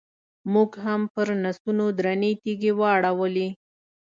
موږ هم پرنسونو درنې تیږې واړولې.